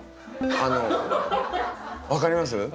はい分かります。